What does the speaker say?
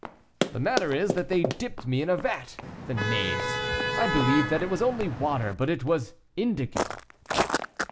"The matter is, that they dipped me in a vat, the knaves; I believed that it was only water, but it was indigo."